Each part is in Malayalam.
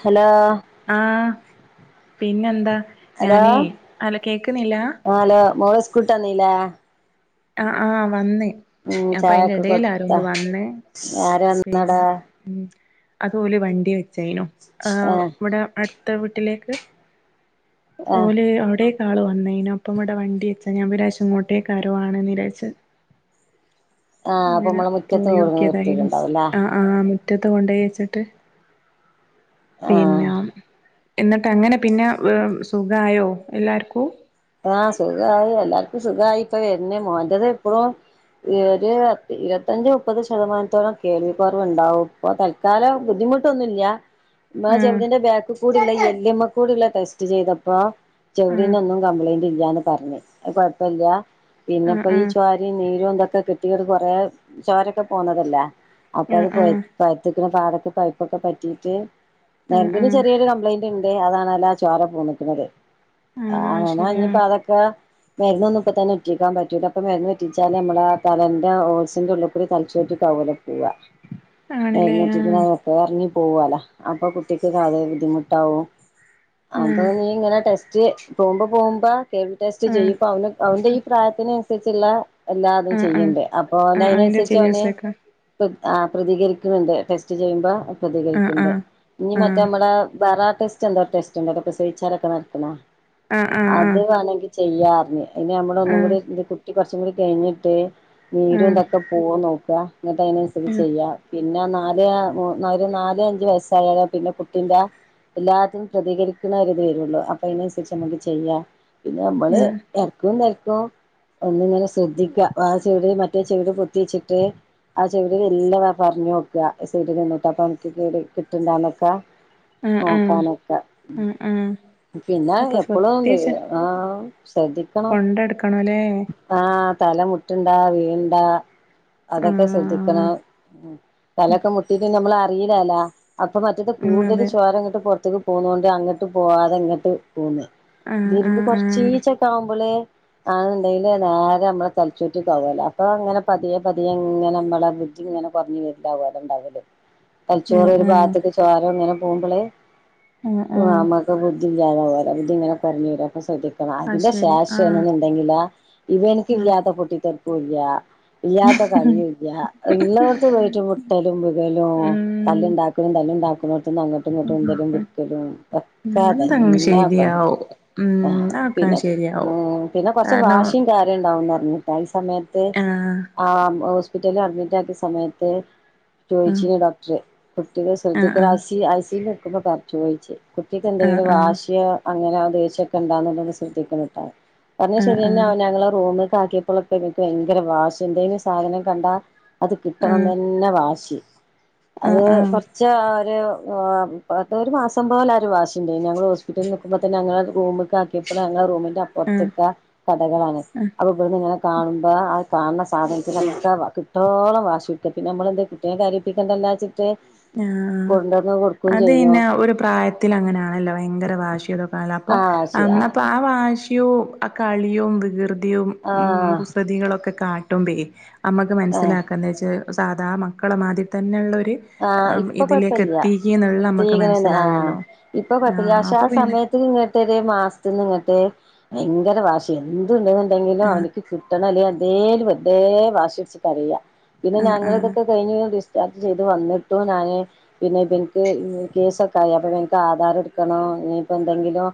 ഹലോ ആ പിന്നെന്താ ഹലോ ഞാനെ അല്ല കേക്കുന്നില്ല ആ ഹലോ മോള് സ്കൂള്ട്ട്ന്നിലെ ആ ആ വന്ന്‌ അപ്പൊ അയിന്റെ ചായൊക്കെ എടേൽ ആരോ കൊടുത്ത ഒന്ന് വന്ന്‌ ആര് വന്നടാ പിന്നെ ഉം അത് ഓല് വണ്ടി വെചേനു ആ ഇവിടെ അടുത്ത വീട്ടിലേക്ക് ആ ഓല് അവിടേ ക്കാള് വന്നേനു അപ്പം ഇവിടെ വണ്ടി വെച്ചാ ഞാൻ വിരേശം അങ്ങോട്ടേക്കാരും ആ [unintelligible] അപ്പൊ അങ്ങനെ നമ്മളെ മുറ്റത്ത് കൊണ്ടുവന്ന് പോയോക്കിയതായിരുന്നു നിർത്തിയിട്ടുണ്ടാവുംല്ലേ ആ ആ മുറ്റത്ത് കൊണ്ടോയി വച്ചിട്ട് ആ പിന്നെ എന്നിട്ട് അങ്ങനെ പിന്നെ - സുഖയോ എല്ലാർക്കും ആ സുഖായി എല്ലാർക്കും സുഖായി ഇപ്പം വെരുനു മോൻറ്റത് ഇപ്പളും ഒരു ഇരുപത്തഞ്ച് മുപ്പത് ശതമാനത്തോളം കേൾവിക്കുറവ് ഉണ്ടാവും ഇപ്പൊ തൽക്കാല ബുദ്ധിമുട്ട [unintelligible] ട്ടൊന്നുമില്ല ആഹ് ചെവിടിന്റെ ബാക്കി കൂടിള്ള എല്ലുമ്മ കൂടിള്ള ടെസ്റ്റ് ചെയ്തപ്പ്പൊ ആഹ് ചെവിടിനൊന്നും ല്യാ ന്ന് പറഞ്ഞ് അത് കുഴപ്പല്ല ആഹ് പിന്നെപ്പോ ഈ ആഹ് ചോരയും നീരും ന്തൊക്കെ കിട്ട്യേത് കൊറേ ചോരൊക്കെ പോന്നതല്ലേ അപ്പം ആഹ് അത് ആഹ് പഴ്- പഴുത്ക്ക്‌ണ് പാടക്ക് പൈപ്പൊക്കെ പറ്റീട്ട് ആഹ് ആഹ് നെരമ്പിന് ചെറിയൊരു കംപ്ലൈന്റ് ഉണ്ട് ഏ അതാണോലൊ ആ ചോര പോന്ന്‌ക്ക്‌ണത് ആഹ് ആഹ് അങ്ങനെ ശരിയാ ഇനിപ്പോ അതൊക്കെ. മരുന്നൊന്നും ഇപ്പ തന്നെ ഉറ്റിക്കാൻ പറ്റുല്ലാ ഇപ്പൊ മരുന്ന് ഒറ്റിച്ചാ നമ്മുടെ തലെന്റെ ഓസിന്റെ ഉള്ളിക്കുടി തലചോറ്റിക്കാവും. പോലെ പോവാം ആണല്ലേ മരുന്ന് ഉറ്റിക്കണം ആഹ് പറഞ്ഞ് മരുന്ന് ഉറ്റിക്ക പോവാല അപ്പൊ കുട്ടിക്ക്തെ ബുദ്ധിമുട്ടാവും അപ്പൊ ആഹ് നീ ഇങ്ങനെ ടെസ്റ്റ് പോകുമ്പോ പോകുമ്പോ കേവി ടെസ്റ്റ് ആഹ് ചെയ്യും അവ അവന്റെ ഈ പ്രായത്തിന് അനുസരിച്ചുള്ള എല്ലാതും ആഹ് ആഹ് ചെയ്യണ്ട് അപ്പൊ അവന ആഹ് അയിന്റെ അതിനനുസരിച്ച് അവനെ ചികിത്സക്ക് ആ പ്രതികരിക്കുന്നുണ്ട് ടെസ്റ്റ് ചെയ്യുമ്പോ ആഹ് പ്രതികരിക്കുന്നുണ്ട് ആഹ് ഇനി മറ്റേ ആഹ് നമ്മള വേറെ ടെസ്റ്റ് ഉണ്ട് ടെസ്റ്റ് പ്രസവിച്ചു കിടക്കുന്നവർക്ക് നടത്തുന്ന. ആഹ് ആഹ് അത് വേണെങ്കി ചെയ്യാ പറഞ്ഞു ഇനി നമ്മടെ ആഹ് ഒന്നും ആഹ് കൂടി കുട്ടി കുറച്ചും കൂടി കഴിഞ്ഞിട്ട് നീരും ആഹ് എന്തൊക്കെ പോക നോക്കുക എന്നിട്ട് അതിനനുസരി ചെയ്യാ പിന്നെ പറഞ്ഞാ നാല് ഒരു നാല് അഞ്ചു വയസ്സായാലോ പിന്നെ കുട്ടിന്റെ എല്ലാത്തിനും പ്രതികരിക്കുന്ന ഒരിത് വരുവൊള്ളൂ അപ്പൊ അതിനനുസരിച്ച് അങ്ങട് ചെയ്യാം പിന്നെ നമ്മള് ഇടക്കു തലക്കു ഒന്നിങ്ങനെ ശ്രദ്ധിക്കാം ആ ചെവിയുടെയും മറ്റേ ചെവിടെ പൊത്തി വച്ചിട്ട്. ആ ചെവിടെ മെല്ലേ പറഞ്ഞു നോക്ക് ചെടിൽ [unintelligible] അപ്പൊ എനിക്ക് കിട്ടിണ്ടന്നൊക്കെ. ആഹ് ആഹ് നോക്കാനൊക്കെ ആഹ് ആഹ് പിന്നെ അപ്പൊ ഇപ്പളും ശ്രദ്ധിച്ച് ആഹ് ശ്രദ്ധിക്കണം. കൊണ്ടെടുക്കണല്ലേ ആഹ് തല മുട്ടുഉണ്ടോ വീണ് ഏ അതൊക്കെ ആഹ് ശ്രദ്ധിക്കണം തലയൊക്കെ മുട്ടിയിട്ട് നമ്മൾ ആര് അറിയില്ലാലാ അപ്പൊ മറ്റേ ഉം കൂടുതൽ അതെ ചോരങ്ങിട്ട് പുറത്തേക്ക് പോന്നോണ്ട് അങ്ങോട്ട് പോവാതെ ഇങ്ങോട്ട് പോന്ന്‌ ആഹ് വരുമ്പ് ആഹ് ആഹ് കൊറച്ചീച്ചൊക്കെ ആവുമ്പോള് ആണുണ്ടെങ്കില് നേരെ നമ്മള തല ചോറ്റിക്ക് ആവുല്ലേ അപ്പൊ അങ്ങനെ പതിയെ പതിയെ ഇങ്ങനെ നമ്മളെ ഇഞ്ഞു ഇങ്ങനെ പറഞ്ഞ് വലുതാവുല്ലേ അത് ഉണ്ടാവില്ലേമല? ആഹ് തലച്ചോറ് ഒരു ഭാഗത്തേക്ക് ആഹ് ചോര ഇങ്ങനെ പോകുമ്പോളേ ആഹ് ആഹ് ഇമ്മാക്ക് ബുദ്ധി വയ്യാതാവുല്ലേ എന്നിട്ട് ഇങ്ങനെ കുറഞ്ഞു വരുകാ. ശ്രദ്ധിക്കണം അത് അതിന്റെ ശരി ആഹ് ശേഷേണെന്നുണ്ടെങ്കില് ഇവനൊക്കെ ആഹ് ഇല്ലാത്ത പൊട്ടിത്തെെറപ്പു ഇല്ല. ഇല്ലാത്ത കളിയും ഇല്ല്യാ ഉള്ളെടെത്തും പോയിട്ട് മുട്ടലുംവീഴലും തല്ലുണ്ടാക്കലും തല്ലുണ്ടാക്കും. ങും ഒക്കെ എന്താ [unintelligible] തന്നെ പണി ശരിയാവും ഉം. ആഹ് അതൊക്കെ പിന്നെ ശരിയാവും ഉം പിന്നെ കൊറച്ച കാരണം വാശിയും കാര്യം ഉണ്ടാവും പറഞ്ഞു കേട്ടോ ഈ സമയത്ത്. ആഹ് ആ ഹോസ്പിറ്റല് അഡ്മിറ്റ് ആക്കിയ സമയത്ത്. ആഹ് ചോദിച്ചിന് ഡോക്ടറ് കുട്ടിനെ ശ്രദ്ധിക്കണേ I ah C I C U വിൽ നിക്കുമ്പോ ചോദിച്ചു. കുട്ടിക്ക് ആഹ് എന്തെങ്കിലും ആഹ് വാശിയോ അങ്ങനെ ദേഷ്യാ ഒക്കെ ഉണ്ടോന്ന് ശ്രദ്ധിക്കണോട്ടോ. പറഞ്ഞത് ആഹ് ആഹ് ആഹ് ശരിയന്നെ അവന് ആഹ് ഞങ്ങള് റൂമില് ആക്കിയപ്പോഴൊക്കെ ഇവന്ക്ക് ഭയങ്കര വാശി എന്തെങ്കിലും സാധനം കണ്ടാ അത് കിട്ടണം തന്നെ വാശി. അത് ആഹ് ആഹ് കൊറച്ച് ഒരു [unintelligible] ഒരു മാസം പോലെ ഒരു വാശി ഉണ്ടായ്ന്നു ഞങ്ങൾ ഹോസ്പിറ്റലിൽ നിനക്കുമ്പോ തന്നെ ഞങ്ങള് റൂമ്ക്ക് ആക്കിയപ്പോള് ഞങ്ങളെ റൂമിന്റെ ആഹ് അപ്പുറത്തൊക്ക കടകളാണ് അപ്പൊ ഇവിടുന്ന് ഇങ്ങനെ കാണുമ്പോ ആ കാണുന്ന സാധനത്തി നോക്കെ കിട്ടോളം വാശി പിടിക്കും പിന്നെ നമ്മള് എന്ത് കുട്ടിയെ കരിയിപ്പിക്കേണ്ടല്ലോ വച്ച് ആഹ്. അത് ചെയ്യും അയിന് ഒരു പ്രായത്തി അങ്ങനൊണല്ലോ ഭയങ്കര വാശിയോ ക്കെ കാണുലോ അപ്പ പ്പോ ആ വാശി അന്ന് അപ്പോ ആ വാശിയും ആ കളിയും വികൃതി യും ആ കുസൃതികളൊക്കെ കാട്ടുമ്പേ നമ്മുക്ക് മനസ്സിലാക്കാ എന്താ വച്ചാ സാധാ മക്കളെ മാതിരി തന്നെയുളെളാരു ആ ഇപ്പൊ കുഴപ്പമില്ല നമ്മക്ക് ഭീകരന് ആഹ് മനസ്സിലാകല്ലോ ഇപ്പൊ കുഴപ്പില്ല ആഹ് പക്ഷെ ആ അപ്പൊ പിന്നെ സമയത്ത് [unintelligible] ഒരു മാസത്തി നിന്ന് ഇങ്ങട്ട്. ഭയങ്കര വാശി എന്തുണ്ടെന്നുണ്ടെങ്കിലും ആഹ് അവനിക്ക് കിട്ടണം അല്ലേല് എന്തേലും വെറുതെ വാശി പിടിച്ച് കരയ്യാ പിന്നെ ആഹ് ഞങ്ങൾ ആഹ് ഇതൊക്കെ കഴിഞ്ഞ് ഡിസ്ചാർജ് ചെയ് യ്തും വന്നിട്ടും ഞാന് പിന്നെ ഇവനിക്ക് കേസൊക്കെ ആയി അപ്പോ ഇവനിക്ക് ആധാർ എടുക്കണം ഇനി ഇപ്പോ എന്തെങ്കിലും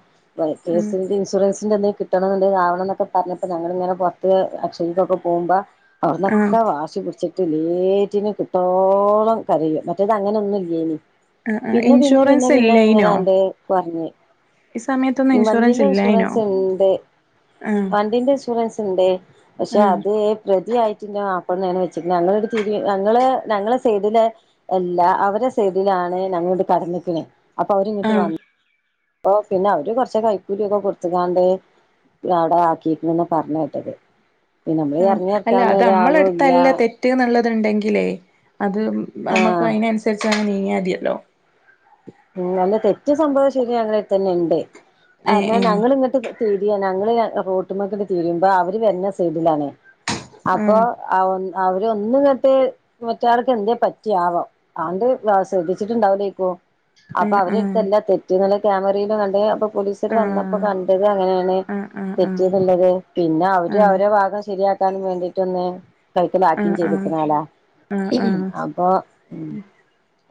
ആഹ് കേസിന്റെ ഇൻഷുറൻസ് നിങ്ങക്ക് എന്തേലും കിട്ടണന്നുണ്ടെങ്കി ഇത് അവണം എന്നൊക്കെ പറഞ്ഞപ്പോ ഞങ്ങള് പുറത്ത് അക്ഷയ് ക്കൊക്കെ പോകുമ്പോൾ ആഹ് അവിടന്നൊക്കെ വാശി പിടിച്ചിട്ട് ലേറ്റിന് കിട്ടോളം. കരയോ മറ്റേത് അങ്ങനെ ഒന്നുംല്ലേനി ആഹ് ആഹ് പിന്നെ പിന്നെ പിന്നെ ഇൻഷുറൻസ് പിന്നെ ഇല്ലേയ്നോ എങ്ങനാണ്ട് പറഞ്ഞഞ്. ഈ സമയത്തൊന്നും ഈ ഇൻഷുറൻസ് വണ്ടിന്റെ ഇല്ലായിനോ ഇൻഷുറൻസ് ഉണ്ട് ആഹ് വണ്ടിന്റെ ഇൻഷുറൻസ് ഉണ്ടേ പക്ഷെ ആഹ് അതേ പ്രതിയായിട്ടില്ല. അപ്പോ തന്നെയാണ് വെച്ചിക്കുന്നത് ഞങ്ങള് ഒരു തിരു ഞങ്ങള് ഞങ്ങള് ഒരു സൈഡിലെ എല്ലാ അവരെ സൈഡിലാണ് ഞങ്ങോട്ട് കടന്നിക്കണെ അപ്പൊ അവരി ഇങ്ങോട്ട് ആഹ് വന്ന ഓ പിന്നെ അവര് കൊറച്ച കൈക്കൂലിയൊക്കെ കൊടുത്തുകാണ്ടേ അവിടെ ആക്കിയിട്ടന്ന് പറഞ്ഞ കേട്ടത്. ആ അല്ല അത് നമ്മളെ എടുത്തല്ല തെറ്റ് എന്നുള്ളത്. ണ്ടെങ്കേ അത് ആഹ് നമ്മുക്ക് അതിനനുസരിച്ച് നീങ്ങിയൽ മതില്ലോ ഉം അെ തെറ്റ സംഭവം ശരി ഞങ്ങളതന്നെ ഉണ്ട് അാ ഏഹ് ഏഹ് ഞങ്ങൾിങ്ങോട്ട് തിര്യ ഞങ്ങള് റോഡിമക് തീരുമ്പോ അവര് വരുന്ന സൈഡിലാണേ അപ്പൊ ആഹ് അവര ഒന്ന കേട്ട് മറ്റോർക്ക് എന്ത്േ പറ്റിയാവാോ അവന്റെ ശ്രദ്ധിച്ചിട്ടുണ്ടാവില്ലേക്കോ അപ്പൊ അവരെടുത്തല്ല തെറ്റ് നല്ല ക്യാമറയിലും കണ്ട അപ്പൊ പോലീസര് വന്നപ്പോ ആഹ് കണ്ടത് അങ്ങനെയാണ് ആഹ് ആഹ് ആഹ് തെറ്റിയെന്നുള്ളത് പിന്നെ അവര് അവരു ഭാഗം ശരിയാക്കാനും വേണ്ടീട്ടൊന്ന് ആഹ് ആഹ് കൈക്കലാക്കുകയും ആഹ് ആഹ് ചെയ്തികിം ആഹ് അല്ല ആഹ് ആഹ് അപ്പൊ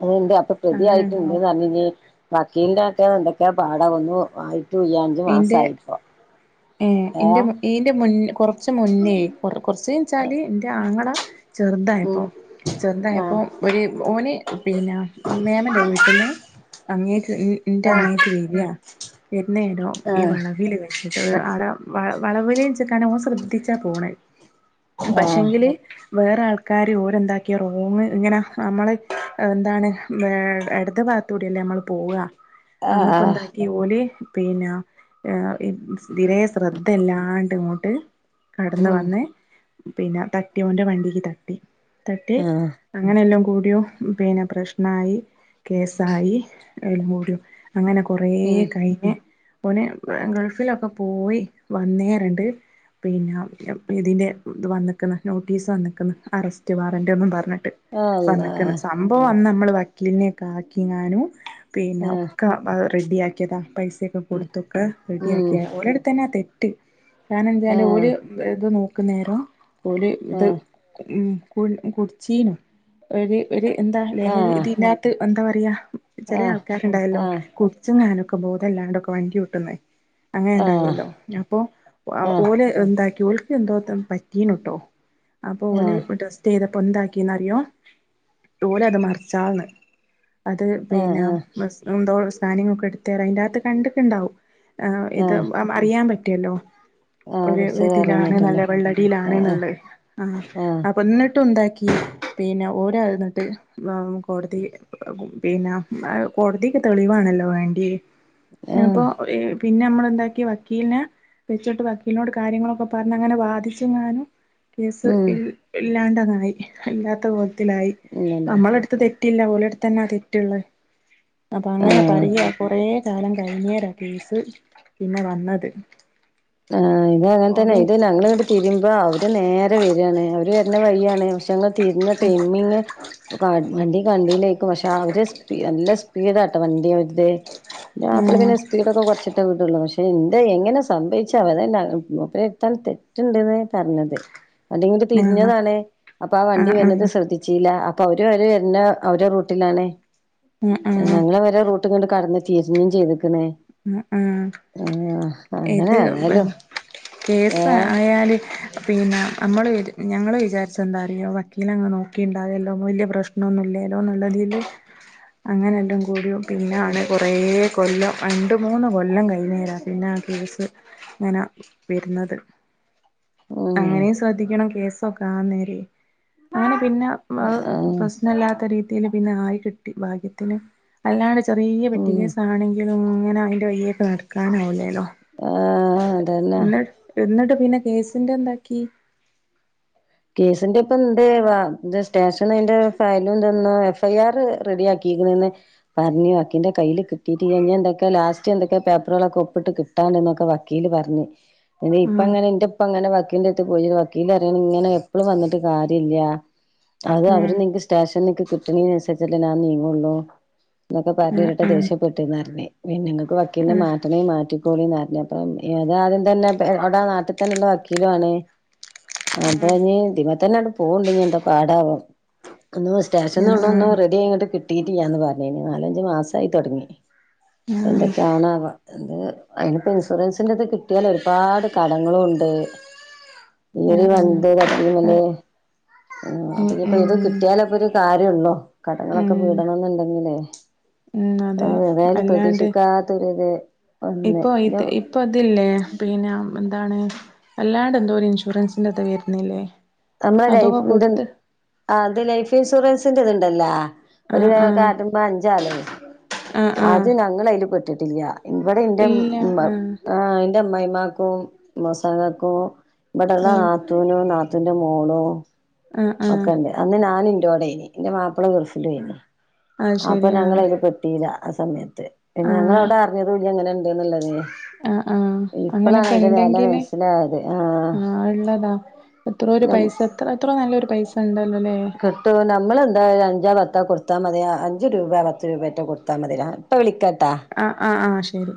അതണ്ട്റെ അപ്പൊ പ്രതിയായിട്ട് ന്ന് അങ്ങനെണ്ടാവും പറഞ്ഞ വക്കീലന്റെ ആക്ക എന്തൊക്കാ പാടം ഒന്നു വായി എന്റെ ഏ എന്റ ഇറെ മൻ കൊറച്ച മുന്നേ കൊ കുറച്ച വെച്ചാല് എൻന്റെ അങ്ങള ചെറുതായപ്പോ ഉം സ്വന്തയപ്പോൊ ആഹ് ഒരു ഓന് പിന്നെ മേമന്റെ വീട്ടിൽന്ന് അങ്ങേക്ക് എന്റെ അങ്ങേക്ക് വരിയാ വരുന്നേരോ ഈ ആഹ് വളവിൽ വെച്ചിട്ട് ആ വളവില ചക്കാാണ് ഓൻ ശ്രദ്ധിച്ചാ പോണ പക്ഷെങ്കില് വേറെ ആൾക്കാാര് ഓരെന്താക്കിയ റോങ്ങ് ഇങ്ങനെ നമ്മൾ എന്താണ് ഇടത് ത്തടില്ലേ നമ്മൾ പോവാ ആഹ് ആഹ് അന്നപ്പോ ആഹ് എന്താക്കി ഓല പിന്നെ രെേ ശ്രദ്ധ ഇല്ലാണ്ട് ഇങ്ങോട്ട് കടന്ന ഉം വന്ന് പിന്നെ തട്ടി അവന്റെ വണ്ടിക്ക് തട്ടി തട്ടി ആഹ് അങ്ങനെ എല്ലാം കൂടിയോ പിന്നെ പ്രശ്നമായി കേസായി എലും കൂടിയോ അങ്ങനെ കൊറ ഉം കഴിഞ്ഞ. നെ ഗൾഫിലൊക്കെ പോയി വന്നേറണ്ട് പിന്നെ ഇതിൻ്റെ ഇത് വന്നിക്കുന്ന നോട്ടീസ് വന്നിക്കുന്ന അറസ്റ്റ് വാറൻറ് ഒന്നും പറഞ്ഞ വന്നക്കുന്ന അല്ലാഹ് സംഭവം വന്ന് നമ്മള് വക്കീലിനെ ഒക്കെ ആക്കിങ്ങാനും പിന്നെ ആഹ് ഒക്കെ റെഡിയാക്കിയതാണ് പൈസയൊക്കെ കൊടുത്തൊക്കെ ഉം റെഡിയാക്കിയാ ഒരിടുത്ത് തന്നെ ആ തെറ്റ് കാരണ എാല് ആഹ് ഓല് ഇത് നോക്കുന്നേരം ഓല് ഇത് ആഹ് ഉ കു കുടിച്ചീനും ഒരു ഒരു എന്താ ലഹരി ഇതിതിനകത്ത് എന്താ പറയാ ചില ആഹ് ആൾക്കാരുണ്ടായല്ലോ ആഹ് കുടിച്ചും ാനൊക്കെ ബോധംല്ലാണ്ടൊക്കെ വണ്ടി കൂട്ടുന്ന അങ്ങനെ ഉണ്ടായല്ലോ അപ്പൊ ആഹ് ആഹ് ഓലെ എന്താക്കി. ൾക്ക് എന്തോ പറ്റീന്ന കേട്ടോ അപ്പൊ ഓ ആഹ് ആഹ് ടെസ്റ്റ് ചെയ്ത പ്പൊന്താക്കിന്ന്റിയോ ഇട്ടലെ അത് മറിച്ചാണ് അത് ആഹ് പിന്നെ ആഹ് എന്തോ സ്കാനിങ് ഒക്കെ എടുത്തറ അതിന്റെറ അകത്ത് കണ്ടിട്ട ഉണ്ടാവും ആ ഇത് ആഹ് അറിയാൻ പറ്റിയല്ലോ ഒ ആഹ് കുറിച്ചത് അറിയാൻ രതിയിലാണ് നല്ല പറ്റുള്ളൂ വെള്ളടിയിലാണ് ആഹ് നല്ലത് ആഹ ആഹ് അ എന്നിട്ടും ഉണ്ടാക്കി പിന്നെ ഓരുന്നിട്ട് കോടതി പിന്നെ കോടതി തെളിവാണല്ലോ വേണ്ടി ആഹ് അപ്പോൊ ആഹ് പിന്നെ നമ്മള് ണ്ടാക്കി വക്കീലിനെ വെച്ചിട്ട് വക്കീലിനോട് കാര്യങ്ങളൊക്കെ പറഞ്ഞഞ് അങ്ങനെ വാദിച്ചു ഞാനും കേസ് ഉം ഇല്ലാണ്ടതായി ഇല്ലാത്ത ബോധത്തിലായി നമ്മള അടുത്തത് തെറ്റില്ല പോലടുത്ത തന്നെ തെറ്റുള്ള അപ്പൊ അങ്ങനെ ആഹ് പറയ കൊറേ കാലം കഴിഞ്ഞേര കേസ് പിന്നെ വന്നത് ആഹ് ഇത് അങ്ങനെ തന്നെ ഓല് ഇത് ഞങ്ങള് ഇങ്ങട്ട് തിരുമ്പോ അവര് നേരെ വരുവാണ് അവര് വരണ വയ്യാണ് ങ്ങൾ [unintelligible] വണ്ടയിലേക്കും പക്ഷെ അവര് സ്പ നല്ല സ്പീഡ ആട്ടോ വണ്ടി അതെ ൻ്റെ മാപ്പള പിന്നെ ആഹ് സ്പീഡ് ഒക്കെ കൊറച്ചിട്ടേ വിടൊള്ളൂ പക്ഷെ എന്താ എങ്ങനെ സംഭവി ച്ചതല്ല മൂപ്പരെടുത്താണ് തെറ്റുണ്ട്ന്ന് പറഞ്ഞത് വണ്ടി ഇങ്ങോട്ട് ആഹ് തിരിഞ്ഞതാണ് അപ്പൊ ആ വണ്ടി ആഹ് വരുന്നത് ശ്രദ്ധിച്ചില്ല അപ്പ അവര് വരെ എ അവരെ റൂട്ടിലാണ് ആഹ് ആഹ് ഞങ്ങള് ആഹ് വരെ റൂ ട്ടണ്ട് കടന്നു തീരിഞ്ഞും ചെയ്തുക്കണേ ആ ആ അങ്ങനെ ഇത് ഏതായാലും കേസ് ഏഹ് ആയാല് പിന്നെ നമ്മൾ വി ഞങ്ങൾ വിചാരിച്ച് എന്താറിയോ വക്കീൽ അങ്ങ് നോക്കിുണ്ടാവല്ലോ വല്ല്യ പ്രശ്നമൊന്നും ഇല്ലല്ലോ എന്നുള്ള തി തില് അങ്ങനെ എല്ലാം കൂടിയും പിന്നെയാണ് കൊറേ കൊല്ലം രണ്ട് മൂന്ന് കൊല്ലം കഴിുന്നേരാം പിന്നെ ആ കേസ് അങ്ങനെ വരുന്നത് ഉം അങ്ങനെയും ശ്രദ്ധിക്കണം കേസൊക്കെ ആന്നേരെ അന പിന്നെ ഉം പ്രശ്നംമല്ലാത്ത രീതിൽ പിന്നെ ആയി കിട്ടി ഭാഗ്യത്തിന് അല്ലാണ്ട് ചെറിയ ഉം പെറ്റിക്കേസ് ആണെങ്കിലും അങ്ങനെ അതിൻ്റെ വയ്യൊക്കെ നടക്കാനാവില്ലല്ലോ ആഹ് അതന്നെ എന്നിട്ട് എന്നിട്ട് പിന്നെ കേസിന്റെ എന്താക്കി കേസിന്റെ ഇപ്പ എന്ത വ സ്റ്റേഷൻ അതിന്റെ ഫയലുംന്ത എഫ് ഐ ആർ റെഡിയാക്കി പറഞ്ഞു അക്കിന്റെ കയ്ൽ കിട്ടീട്ട് കഴിഞ്ഞ് ണ് എന്തൊക്കെ ലാസ്റ്റ് എന്തൊക്കെ പേപ്പറുകളൊക്കെ ഒപ്പിട്ട് കിട്ടണം ന്നൊക്കെ വക്കീൽ പറഞ്ഞു ഇപ്പ ആഹ് അങ്ങനെ എന്റെപ്പ അങ്ങനെ വക്കീലിൻ്റെ അടുത്ത് പോയി വക്കീൽ പറഞ്ഞ് ഇങ്ങനെ വന്നിട്ട് കാര്യല്ല അത് അവര് ആഹ് സ്റ്റേഷ അക്ക് കിട്ടണിയനുസരിച്ചിട്ടേ ഞാ നീങ്ങുള്ളൂ എന്നൊക്കെ ആഹ് പറഞ്ഞിട്ട് ദേഷ്യപ്പെട്ടിന്നാരഞ്ഞേ- പിന്നെ നിങ്ങക്ക് വക്കീലിനെ ആഹ് മാറ്റനേെ മാറ്റി ക്കോളി ന്ന് പറഞ്ഞ് അപ്പം അത് ആദ്യം തന്നെ അവിടെ നാട്ടിൽ തന്നെയുള്ള വക്കീലണ് ഞ് ദിമ്മതന്നെയ പോവണ്ട് എന്താ പാടാവാം ഒന്ന് സ്റ്റേഷൻള്ള ആഹ് ഒന്നും ആഹ് റെഡി ആയി ങ്ങട്ട് കിട്ടിട്ട്ല്ലാന്ന് പറഞ്ഞനി നാലഞ്ചു മാസായി തുടങ്ങി ആഹ് എന്തൊക്കെയാണാവം എത് അയിനിപ്പോ ഇൻഷുറൻസിന്റെത് കിട്ടിയാൽ ഒരുപാട് കടങ്ങളും ഉണ്ട് ഈ ഒര് ആഹ് വണ്ടി ആഹ് തട്ടിയമല് ആഹ് ആ അപ്പ ഉം ഇനിയിപ്പൊ ഉം ഇത് ഉം കിട്ടിയാല ഇപ്പൊ ഒരു കാര്യമള്ളോ കടങ്ങളൊക്കെ വീടണം എന്നുണ്ടെങ്കിലേ ഉം അതെ അല്ലാണ്ട് പ്രതീക്ഷിക്കാത്തൊരിത് വന്ന് ഇപ്പൊ പിന്നെ ഇത് ഇപ്പൊ ഇതില്ലേ പിന്നെ അതാണ് അല്ലാണ്ട് എന്തോ ഒരു ഇൻഷുറൻസിന്റെ ത് വരുന്നില്ലേ നമ്മെ ലൈഫ് അതൊക്കെ കൊടുത്ത് ആ ഇത് ലൈഫ് ഇൻഷുറൻസിന്റെ ഇത്ണ്ടല്ലേ ഒരു ആഹ് ആഹ് കാർഡ്മ്മ അഞ്ചാള് ആഹ് അത് ആഹ് ഞങ്ങൾ അതില് പെട്ടിട്ടില്ല ഇവിടെ എൻറെ ഇല്ല ആഹ് എൻ്റെ അമ്മമായിമാക്കും അമ്മശാക്കക്കും ഇവിടെള്ള ആഹ് നാത്തൂനും നാത്തൂന്റെ മോളും ആഹ് ആഹ് ഒക്കെണ്ട് അന്ന് ഞാന ഇൻറോടെനി എന്റെ മാപ്പിള ഗൾഫിലും അയ്നി അത് അപ്പൊ ശരി ഞങ്ങള് ആഹ് അതില് പെട്ടില്ല ആ സമയത്ത് പിന്നെ ഞങ്ങള് ആഹ് അവിടെ അറിഞ്ഞതുല്ല അങ്ങനെ ഉണ്ട്ന്ന്ള്ളത് ആഹ് ആഹ് ഇപ്പളാണ് അങ്ങനൊക്കെ അതിന്റെ വെല ഇണ്ടെങ്കില് മനസ്സിലായത് ആഹ് എത്രയോ ഒരു നം പൈസ എത്ര എത്രോ നല്ലൊരു പൈസ ഉണ്ട് കിട്ടും നമ്മളെന്താ അഞ്ചോ പത്തോ കൊടു കൊട്ത്താ മതിയാ അഞ്ച് രൂപ പത്ത് രൂപായിട്ടോ കൊടുത്താ മതി ഇപ്പൊ വിളിക്കാ ആഹ് ആഹ് ആഹ് ശരി